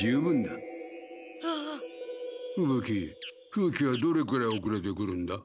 風鬼はどれくらいおくれて来るんだ？